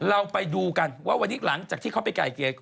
เราไปดูกันว่าวันนี้หลังจากที่เขาไปไกลเกลียด